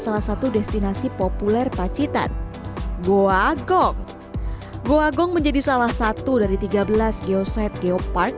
salah satu destinasi populer pacitan goa gong goa gong menjadi salah satu dari tiga belas geoset geopark